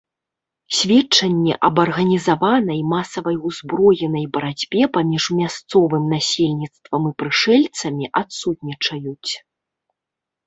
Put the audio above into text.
Сведчанні аб арганізаванай, масавай узброенай барацьбе паміж мясцовым насельніцтвам і прышэльцамі адсутнічаюць.